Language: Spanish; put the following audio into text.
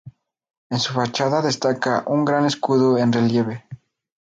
En su fachada destaca un gran escudo en relieve.